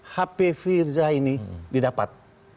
hp firzai ini didapat